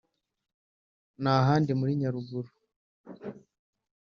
n’ahandi muri Nyaruguru